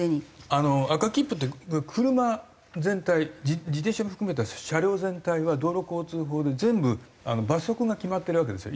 赤切符って車全体自転車も含めた車両全体は道路交通法で全部罰則が決まってるわけですよ